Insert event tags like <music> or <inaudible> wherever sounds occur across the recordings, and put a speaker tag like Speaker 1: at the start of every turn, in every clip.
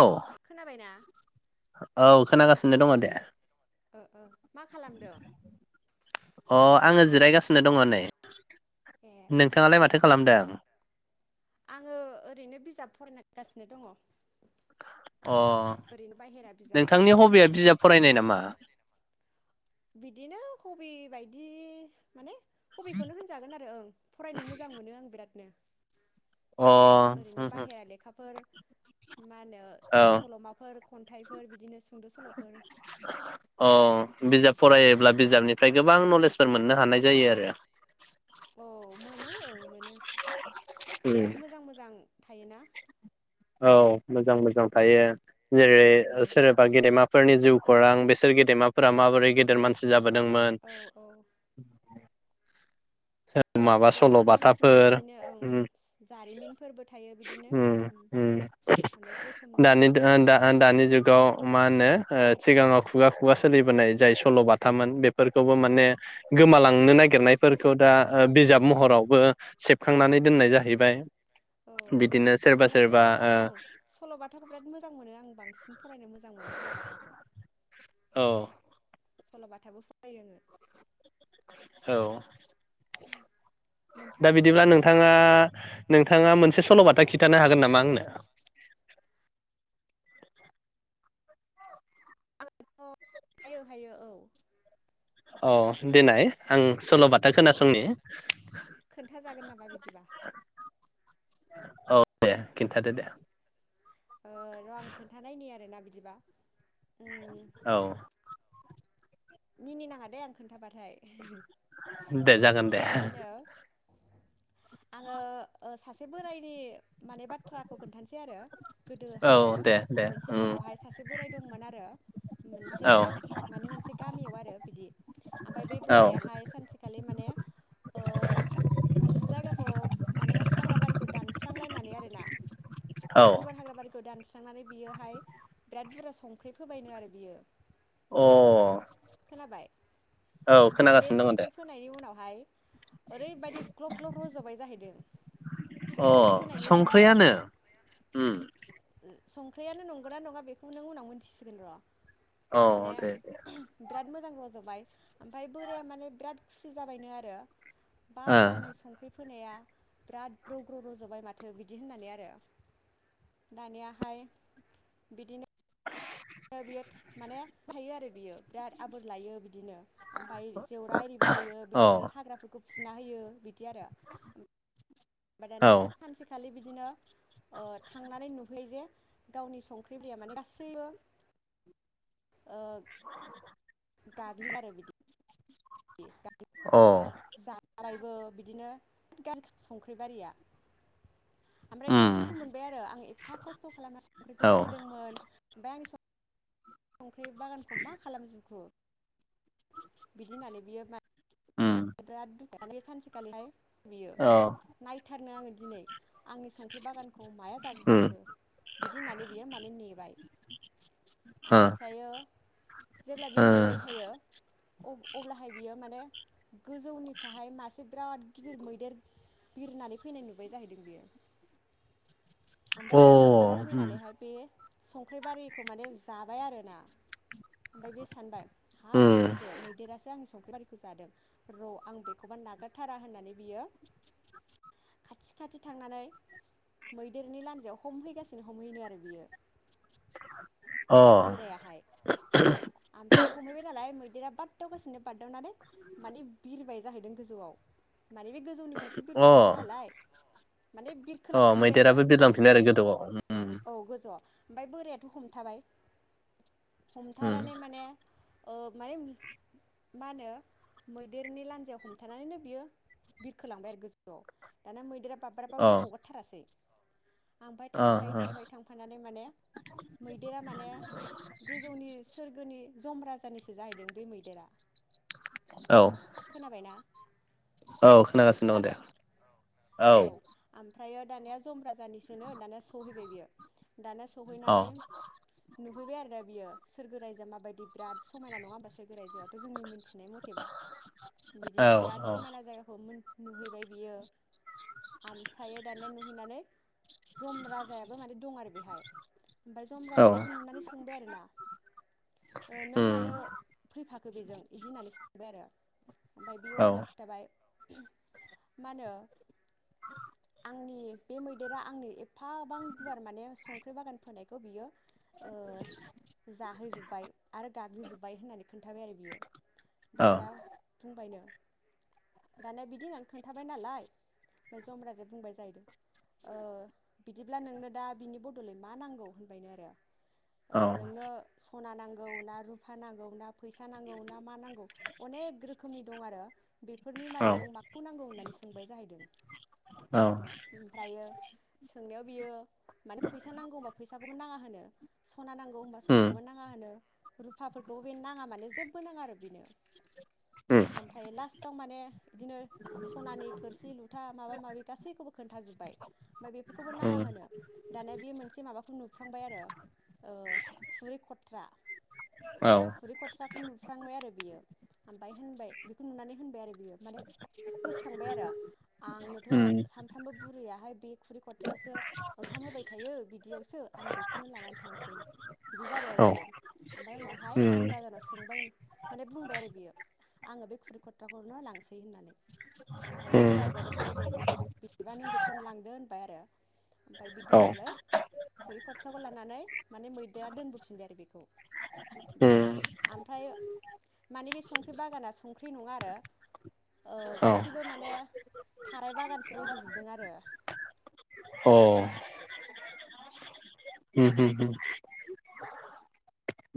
Speaker 1: औ
Speaker 2: खोनाबायना
Speaker 1: औ खोनागासिनो दङ दे
Speaker 2: ओ ओ मा खालामदों
Speaker 1: आङो जिरायगासिनो दङ नै
Speaker 2: ए
Speaker 1: नोंथाङालाय माथो खालामदों
Speaker 2: <unintelligible> आङो ओरैनो बिजाब फरायनांगासिनो दङ
Speaker 1: अ
Speaker 2: ओरैनो बाहेरा बिजाबफोर
Speaker 1: नोंथांनि हबिया बिजाब फरायनाय नामा
Speaker 2: बिदिनो कबि बायदि माने हबिखौनो होनजागोन आरो ओं फरायनो मोजां मोनो आं बिरादनो
Speaker 1: अ
Speaker 2: ओरैनो
Speaker 1: होम होम
Speaker 2: बाहेरा लेखाफोर मा होनो सलमाफोर खन्थाइफोर बिदिनो सु
Speaker 1: <unintelligible> अ
Speaker 2: बिदि
Speaker 1: बिजाब फरायोब्ला बिजाबनिफ्राय गोबां नलेज फोर मोननो हानाय जायो आरो
Speaker 2: औ मोनो ओं मोनो
Speaker 1: उम
Speaker 2: बिराद मोजां मोजां थायोना
Speaker 1: औ मोजां मोजां थायो जेरै
Speaker 2: औ
Speaker 1: सोरबा गेदेरमा फोरनि जिउ खौरां बेसोर गेदेमाफोरा माबोरै गेदेर मानसि जाबो दोंमोन <inaudible>
Speaker 2: औ औ
Speaker 1: माबा
Speaker 2: गोबां मानसिनि
Speaker 1: सलबाथाफोर
Speaker 2: बिदिनो ओं
Speaker 1: ओम
Speaker 2: जारिमिनफोरबो थायो बिदिनो
Speaker 1: ओम ओम
Speaker 2: अनेक रोखोमनि
Speaker 1: दानि दान दानि जुगाव मा होनो ओ सिगाङाव खुगा खुगा सोलिबोनाय जाय सल बाथामोन बे। फोरखौबो
Speaker 2: औ
Speaker 1: माने गोमालांनो नागिर गेरनायफोर। खौ दा ओ
Speaker 2: औ
Speaker 1: बिजाब
Speaker 2: औ
Speaker 1: महरावबो सेबखांनानै
Speaker 2: औ
Speaker 1: दोननाय जाहैबाय
Speaker 2: औ
Speaker 1: बिदिनो सोरबा
Speaker 2: आङोथ'
Speaker 1: सोरबा ओ।
Speaker 2: ओं सल'बाथाखौ बिराद मोजां मोनो आं बांसिन फरायनो मोजां मोनो सल बाथाखौ। सल
Speaker 1: औ
Speaker 2: बाथाबो सल बाथाबो फरायो आङो।
Speaker 1: औ। दा
Speaker 2: नोंथाङाबो
Speaker 1: बिदिब्ला
Speaker 2: फरायो नामा
Speaker 1: नोंथाङा।
Speaker 2: औ आथ हायो हायो औ।
Speaker 1: औ देनाय आं सल बाद।
Speaker 2: औ खोन्थाजागोन नामा बिदिबा।
Speaker 1: औ दे खिन्थादो दे।
Speaker 2: ओ र आं खोन्थानायनि आरोना बिदिबा। उम
Speaker 1: औ।
Speaker 2: मिनिनाङा दे आं खोन्थाबाथाय।
Speaker 1: दे जागोन दे।
Speaker 2: मा होनो आङो ओ सासे बोरायनि माने बाथ्राखौ खोन्थानोसै आरो।
Speaker 1: औ
Speaker 2: गोदोहाय आरो
Speaker 1: दे दे
Speaker 2: मोनसे
Speaker 1: उम
Speaker 2: समावहाय सासे बोराइ दंमोन आरो। <unintelligible> मोनसे
Speaker 1: औ
Speaker 2: जो माने मोनसे। गामियाव आरो बिदि। ओमफ्राय बे बोरायाहाय सानसेखालि। माने ओ मोनसे जायगाखौ माने हाग्रा बारिखौ दानस्रांलायनानै आरोना।
Speaker 1: औ
Speaker 2: बिरात गुवार हाग्रा बारिखौ दान्स्रां खांनानै बियोहाय बिराद बुरजा संख्रि फोबायनो आरो बियो।
Speaker 1: औ अ
Speaker 2: खोनाबाय
Speaker 1: औ
Speaker 2: आमफ्राय बे
Speaker 1: खोनागासिनो दङ दे
Speaker 2: संख्रि फोनायनि उनावहाय। ओरैबादि ग्लब ग्लब रजबाय जाहैदों बे
Speaker 1: अ
Speaker 2: संख्रि फोनायनि उनावहाय
Speaker 1: संख्रियानो
Speaker 2: आरोना।
Speaker 1: उम
Speaker 2: संख्रियानो नंगौना नङा बेखौ नों उनाव मोनथिसिगोन र।
Speaker 1: औ दे दे।
Speaker 2: बेराद मोजां रजबाय ओमफाय बोराया माने बिराद खुसि जाबायनो आरो। बाब आंनि संख्रि। फोनाया बिराद ग्रौ ग्रौ रजबाय माथो बिदि होननानै आरो दानियाहाय बिदिनो।
Speaker 1: <unintelligible>
Speaker 2: ओ बियो माने फोथायो आरो बियो बिराद आबोर लायो बिदिनो। ओमफफाय जेवरा एरिबो होयो
Speaker 1: ओ
Speaker 2: बिदिनो हाग्राफोरखौ फुना होयो बिदि आरो <unintelligible> दाना
Speaker 1: औ
Speaker 2: सानसेखालि बिदि बिदिनो ओ थांनानै नुहैयो जे गावनि संख्रि दैया माने गासैबो गारलि <unintelligible> दारे बिदि द <unintelligible>
Speaker 1: <unintelligible> अ
Speaker 2: बारायबो बिदिनो गान <unintelligible> संख्रिबारिया ओमफ्राय
Speaker 1: अ
Speaker 2: बियो
Speaker 1: उम
Speaker 2: दुखु मोनबाय आरो आं एफा खस्थ खालामना संख्रिखौ
Speaker 1: औ
Speaker 2: फोदोंमोन ओमफाय आं संख्रि बागानखौ मा खालाम जोबखो बिदि होननानै बियो मा
Speaker 1: ओम
Speaker 2: <unintelligible> सानसेखालिहाय बियो
Speaker 1: औ
Speaker 2: नायथारनो आङो दिनै आंनि संख्रि बागानखौ औ माया जाजोबलांखो बिदि होननानै बियो माने नेबाय ओमफ्रायो जेब्ला बियो
Speaker 1: उम
Speaker 2: नेबाय थायो अ-अब्लाहाय बियो माने गोजौनिफ्रायाहाय मासे बिराद गिदिर मैदेर बिरनानै फैनाय नुबाय जाहैदों बेयो ओमफाय
Speaker 1: ओ
Speaker 2: बे मैदेरा
Speaker 1: अ उम
Speaker 2: फैनानैहाय बे संख्रि बारिखौ माने जाबाय आरोना ओमफाय बे सानबाय हाब
Speaker 1: उम
Speaker 2: बेसो मैदेरासो आंनि संख्रि बारिखौ जादों र आं बेखौबा नागारथारा होननानै बियो खाथि खाथि थांनानै मैदेरनि लान्जायाव हमहैगासिनो हमहैनो आरो बियो
Speaker 1: अ
Speaker 2: बोरायाहाय ओमफ्राय हमहैबाय नालाय मैदेरा बारदावगासिनो बारदाव ननानै माने बिरबाय जाहैदों गोजौआव माने बे गोजौनिफ्रायसो बिरबोखादों
Speaker 1: अ
Speaker 2: नालाय माने
Speaker 1: अ
Speaker 2: बिरखोलांफिनबाय
Speaker 1: मैदेराबो
Speaker 2: आरो
Speaker 1: बिरलांफिनो आरो गोदौआव उम
Speaker 2: औ गोजौआव ओमफ्राय बोरायाथ हमथाबाय
Speaker 1: उम
Speaker 2: हमथानानै माने ओ माने मा होनो मै मैदेरनि लान्जायाव हमथानानैनो बियो बिरखोलांबाय आरो गोजौआव दाना मैदेरा
Speaker 1: अ
Speaker 2: बाब्राबबो हगारथारासै ओमफ्राय
Speaker 1: अ
Speaker 2: थांफायै
Speaker 1: अ
Speaker 2: थांफायै थांफानानै माने मैदेरा माने गोजौनि सोरगोनि जम राजानिसो जाहैदों बे मैदेरा
Speaker 1: औ
Speaker 2: खोनाबायना
Speaker 1: औ खोनागासिनो दङ दे
Speaker 2: खोनादों
Speaker 1: औ
Speaker 2: ओमफ्रायो दानिया जम राजानिसोनो होननानै दानिया सहैबाय बियो दाना
Speaker 1: अ
Speaker 2: सहैनानै नुहैबाय आरो दा बियो सोरगो रायजोआ माबायदि बिराद समायना नङा होनोमबा सोरगो रजोआथ जोंनि मिथिनाय मथे
Speaker 1: औ
Speaker 2: बिदिनो बिराद
Speaker 1: औ
Speaker 2: समायना जायगाखौ मोन नुहैबाय बियो ओमफ्राय दानिया नुहैनानै जम राजायाबो माने दं आरो बेहाय ओमफ्राय
Speaker 1: औ
Speaker 2: जमबाजा बेखौ नुनानै सोंबाय आरोना ओ नों
Speaker 1: उम
Speaker 2: मानो फैफाखो बिजों बिदि होननानै सोंबाय आरो ओमफ्राय बेयो
Speaker 1: औ
Speaker 2: अब्ला खिन्थाबाय मा होनो आंनि बे मैदेरा आंनि ए एफाबां गुवार माने संख्रि बागान फोनायखौ बियो ओ जाहोजोब जोबबाय आरो गाग्लिजोब्बाय होननानै खोन्थाबाय आरो बियो
Speaker 1: औ
Speaker 2: दानिया होनबायनो दानिया बिदि होननानै खोन्थाबाय नालाय ओमफ्राय जम राजाया बुंबाय जाहैदों ओ बिदिब्ला नोंनो दा बिनि बदलै मा नांगौ होनबायनो आरो ओ
Speaker 1: औ
Speaker 2: नोंनो सना नांगौ ना रुफा नांगौ ना फैसा नांगौ ना मा नांगौ अनेक रोखोम रोखोमनि दं आरो बेफोरनि
Speaker 1: औ
Speaker 2: मादाव नों माखौ नांगौ होननानै सा सोंबाय जाहैदों
Speaker 1: औ
Speaker 2: ओमफ्रायो सोंनायाव बियो माने फैसा नांगौ बा फैसा फैसाखौबो नाङा होनो सना नांगौ होनोमबा
Speaker 1: उम
Speaker 2: सनाखौबो नाङा होनो रुफाफोरखौ बे नाङा माने जेबो नाङा आरो बेनो
Speaker 1: उम
Speaker 2: ओमफ्राय लास्ट आव माने बिदिनो सनानि थोरसि लुथा माबा माबि गासैखौबो खोन्थाजोबबाय ओमफ्राय बेफोरखौबो नाङा
Speaker 1: उम
Speaker 2: होनो दानिया बे मोनसे माबाखौ नुफ्लांबाय आरो ओ खुरै खथ्रा
Speaker 1: औ
Speaker 2: खुरै खथ्राखौ नुफ्लांबाय आरो <unintelligible> बाय होनबाय बेखौ नुनानै होनबाय आरो बियो माने गोसोखांबाय आरो आंनोथ
Speaker 1: उम
Speaker 2: सामफ्रामबो बुरैयाहाय बे खुरै खथ्रायावसो ओंखाम होबाय थायो बिदियावसो आं बेखौनो लानानै थांसै बिदि जाबाय
Speaker 1: औ
Speaker 2: आरो बियो ओमफ्राय उनावहाय जम
Speaker 1: उम
Speaker 2: राजानाव सोंबाय माने बुंबाय आरो बियो आङो बे खुरिखटाखौनो लांसै होननानै आं थायो जम
Speaker 1: उम
Speaker 2: राजायाबो दे दे बिदिबा नों बेखौनो लांदो होनबाय आरो ओमफ्राय बिदि
Speaker 1: औ
Speaker 2: होननानै खुरै खथ्राखौ लानानै माने मैदोआ दोनबोफिनदो आरो बेखौ बिदि
Speaker 1: उम
Speaker 2: ओमफ्राय माने बे संस संख्रि बागाना संख्रि नङा आरो
Speaker 1: औ
Speaker 2: गासिबो माने थाराय बागानसो रजजोबदों आरो
Speaker 1: अ उम उम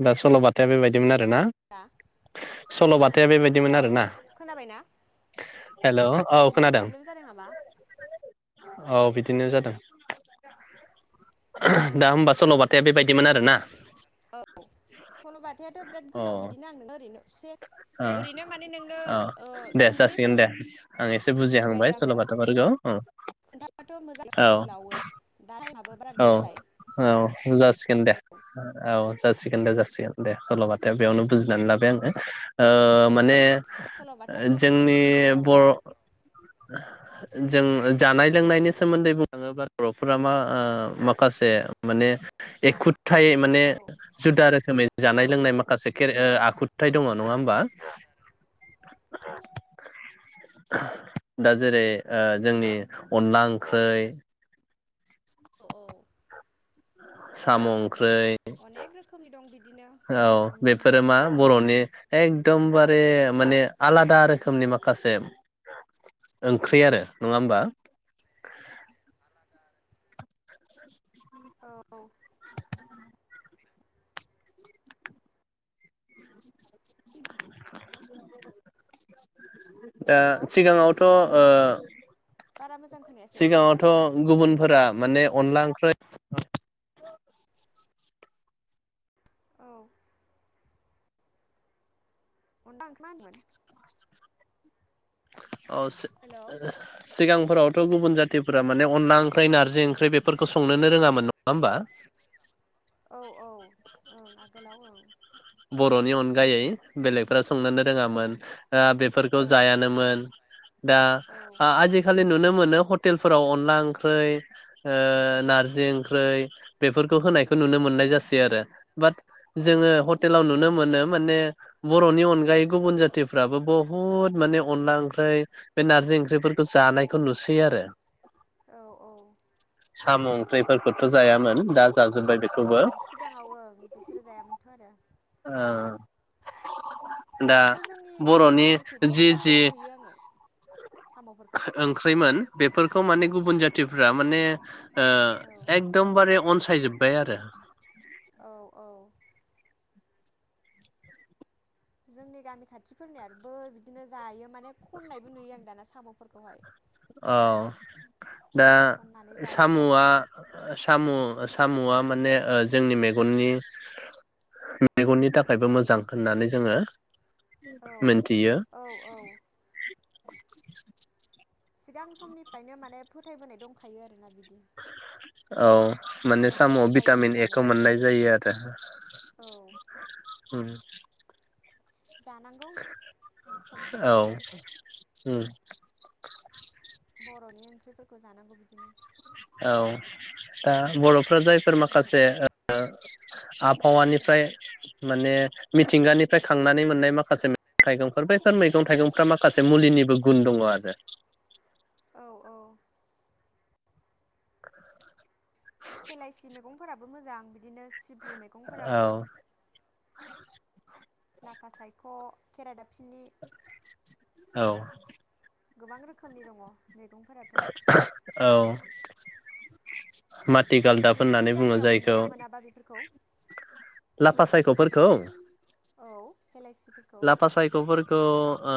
Speaker 1: दा सल बाथाया बेबायदिमोन आरो आरोना
Speaker 2: दा
Speaker 1: सलबाथाया
Speaker 2: हेलौ
Speaker 1: बेबायदिमोन आरोना
Speaker 2: खोनाबायना
Speaker 1: हेल औ
Speaker 2: नेटनि
Speaker 1: खोनादों
Speaker 2: प्रब्लेम जादों नामा
Speaker 1: औ बिदिनो जादों दा होमबा सल बाथा बेबायदिमोन आरो ना
Speaker 2: औ सल बाथायाथ बिराद
Speaker 1: अ
Speaker 2: गोलाव
Speaker 1: ओ
Speaker 2: बिदिनो आं नों ओरैनो ससे ओरैनो माने नोंनो
Speaker 1: औ
Speaker 2: ओ
Speaker 1: दे
Speaker 2: सुंद'यै
Speaker 1: जासिगोन दे आं एसे
Speaker 2: फोरमायबाय
Speaker 1: बुजिहांबाय
Speaker 2: आरो आङो
Speaker 1: सलबाथा बारग औ
Speaker 2: खोन्थाबाथ' मोजां
Speaker 1: औ
Speaker 2: गोलावै दा टाइमाबो बारा
Speaker 1: औ
Speaker 2: गैया नालाय
Speaker 1: औ जासिगोन
Speaker 2: औ
Speaker 1: दे औ जासिगोन दे जासिगोन दे सल बाथा बेयावनो बुजिनानै लाबाय आङो
Speaker 2: औ
Speaker 1: ओ माने
Speaker 2: सल'बाथाया अनेक
Speaker 1: जोंनि
Speaker 2: रोखोमनि दङ औ
Speaker 1: बर जों जानाय लोंनायनि सोमोन्दै बुंनो थाङोबा बरफोरा मा माखासे माने एखु ह माने
Speaker 2: औ
Speaker 1: जुदा रोखोमै
Speaker 2: औ
Speaker 1: जानाय लोंनाय माखासे आखु हाथाय दङ नङा होमबा दा जेरै जोंनि अनला ओंख्रै
Speaker 2: औ औ
Speaker 1: सामु ओंख्रै
Speaker 2: अनेक रोखोमनि दं बिदिनो
Speaker 1: औ
Speaker 2: उम उम
Speaker 1: बेफोरो मा बरनि एकदमबारे माने आलादा
Speaker 2: औ
Speaker 1: रोखोमनि माखासे ओंख्रि आरो नङा होमबा
Speaker 2: औ उम
Speaker 1: <inaudible> दा
Speaker 2: हेल'
Speaker 1: सिगाङावथ ओ
Speaker 2: बारा मोजां खोनायासै माबा
Speaker 1: सिगाङावथ
Speaker 2: होनदों
Speaker 1: गुबुनफोरा माने अनला ओंख्रै औ
Speaker 2: औ <unintelligible>
Speaker 1: <inaudible> औ
Speaker 2: हेल' औ
Speaker 1: सि-सिगां फोरावथ गुबुन जाथिफोरा माने अनला ओंख्रि, नारजि ओंख्रि बेफोरखौ संनोनो रोङामोन नङा होमबा।
Speaker 2: औ औ ओं आगोलाव ओं।
Speaker 1: बरनि अनगायै बेलेगफ्रा संनोनो
Speaker 2: औ
Speaker 1: रोङामोन। ओ बेफोरखौ
Speaker 2: औ
Speaker 1: जायानोमोन दा
Speaker 2: औ
Speaker 1: आजिखालि नुनो मोनो हटेल फोराव अनला ओंख्रि, ओ नारजि ओंख्रि बेफोरखौ होनायखौ नुनो मोननाय जासै आरो, बाट
Speaker 2: औ
Speaker 1: जोङो हट आव नुनो मोनो माने बरनि अनगायै गुबुन जाथिफ्राबो बहुद माने अनला ओंख्रि बे नारजि ओंख्रिफोरखौ जानायखौ नुसै आरो।
Speaker 2: औ औ।
Speaker 1: साम ओंख्रिफोरखौथ जायामोन दा जाजोब्बाय बेखौबो
Speaker 2: ओं सिगाङाव ओं बिसोरो जायामोन। <unintelligible>
Speaker 1: ओ। दा
Speaker 2: दाथ जोंनि जोंनि
Speaker 1: बर'नि
Speaker 2: गामिखैथ
Speaker 1: जि जि
Speaker 2: खननायबो नुयो आङो सामफोरखौ।
Speaker 1: ओंख्रिमोन बेफोरखौ माने गुबुन जातिफ्रा माने ओ
Speaker 2: औ
Speaker 1: एकदमबारे अन सायजोबबाय आरो।
Speaker 2: औ औ। जोंनि गामि खाथिफोरनियबो बिदिनो जायो माने खननायबो नुयो आं दाना सामफोरखौहाय।
Speaker 1: ओ। दा
Speaker 2: खननानै जायो
Speaker 1: सामआ
Speaker 2: गावसोरबो
Speaker 1: साम सामआ माने जोंनि मेगननि मेगननि थाखायबो मोजां होननानै जोङो
Speaker 2: औ
Speaker 1: मोनथियो
Speaker 2: औ औ।
Speaker 1: <inaudible>
Speaker 2: सिगां समनिफ्रायनो माने फोथायबोनाय दंखायो आरोना बिदि।
Speaker 1: औ माने
Speaker 2: मेगन मोजां
Speaker 1: सामआव
Speaker 2: जायो
Speaker 1: भिटामिन ए खौ
Speaker 2: होननानै
Speaker 1: मोननाय जायो आरो
Speaker 2: औ
Speaker 1: उम।
Speaker 2: जानांगौ सम सम
Speaker 1: औ
Speaker 2: बिदिनो
Speaker 1: उम। <inaudible>
Speaker 2: बरनि ओंख्रिफोरखौ जानांगौ बिदिनो।
Speaker 1: औ ओ दा बरफ्रा जायफोर माखासे आबहावानिफ्राय माने मिथिंगानिफ्राय खांनानै मोननाय माखासे मैगं थाइगंफोर बैफोर मैगं थाइगंफ्रा माखासे मुलिनिबो गुन दङ आरो।
Speaker 2: औ औ।
Speaker 1: <inaudible>
Speaker 2: हेलाइसि मैगं फोराबो मोजां। बिदिनो सिब्रु
Speaker 1: औ
Speaker 2: मैगंफोराबो लाफा सायख खेराइदाबफिनि।
Speaker 1: औ।
Speaker 2: गोबां रोखोमनि दङ। मैगंफोराथ'
Speaker 1: औ। मोन
Speaker 2: नोंसिनि गामियाव मोनगोन ना मोनाबा बेफोरखौ
Speaker 1: लाफा सायखफोरखौ?
Speaker 2: औ हेलाइसिफोरखौ
Speaker 1: लाफा सायखफोरखौ ओ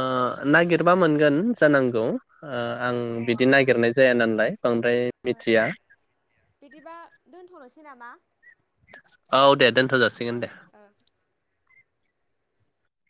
Speaker 1: नागिरबा मोनगोन जानांगौ ओ आं
Speaker 2: अ
Speaker 1: बिदि नागिरनाय जाया नालाय बांद्राय
Speaker 2: ओ ओ
Speaker 1: मिथिया
Speaker 2: बिदिबा दोनथ'नोसै नामा?
Speaker 1: औ दे दोनथ जासिगोन दे